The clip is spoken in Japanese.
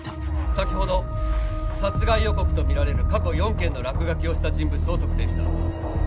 先ほど殺害予告とみられる過去４件の落書きをした人物を特定した。